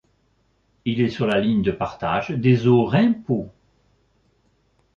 Il est sur la ligne de partage des eaux Rhin-Pô.